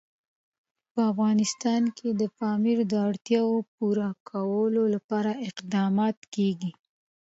په افغانستان کې د پامیر د اړتیاوو پوره کولو لپاره اقدامات کېږي.